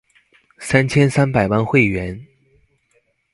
三千三百萬會員